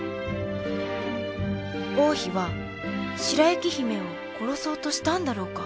王妃は白雪姫を殺そうとしたんだろうか。